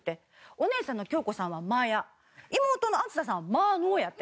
お姉さんの響子さんは「まや」妹のあずささんは「まの」やって。